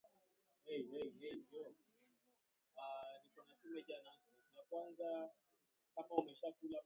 Muonekano wa viungo kwa mnyama aliyekufa kwa ugonjwa wa majimoyo